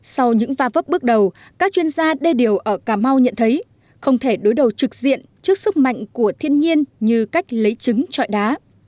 sau những va vấp bước đầu các chuyên gia đê điều ở cà mau nhận thấy không thể đối đầu trực diện trước sức mạnh của thiên nhiên như cách lấy trứng trọi đá